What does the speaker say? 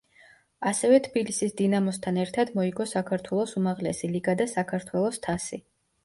ასევე თბილისის დინამოსთან ერთად მოიგო საქართველოს უმაღლესი ლიგა და საქართველოს თასი.